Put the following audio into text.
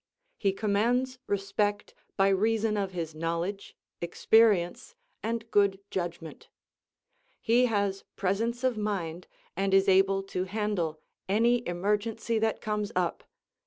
He commands respect by reason of his knowledge, experience and good judgment. He has presence of mind and is able to handle any emergency that comes up.